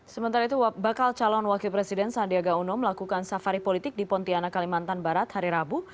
sementara itu bakal calon wakil presiden sandiaga uno melakukan safari politik di pontianak kalimantan barat hari rabu